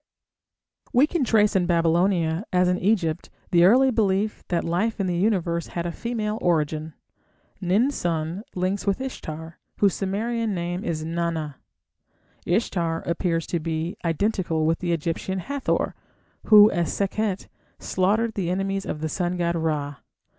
We can trace in Babylonia, as in Egypt, the early belief that life in the Universe had a female origin. Nin sun links with Ishtar, whose Sumerian name is Nana. Ishtar appears to be identical with the Egyptian Hathor, who, as Sekhet, slaughtered the enemies of the sun god Ra.